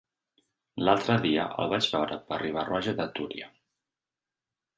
L'altre dia el vaig veure per Riba-roja de Túria.